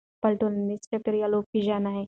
خپل ټولنیز چاپېریال وپېژنئ.